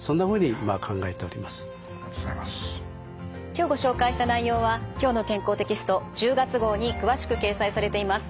今日ご紹介した内容は「きょうの健康」テキスト１０月号に詳しく掲載されています。